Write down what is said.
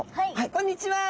こんにちは！